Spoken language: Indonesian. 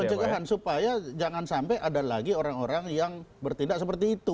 pencegahan supaya jangan sampai ada lagi orang orang yang bertindak seperti itu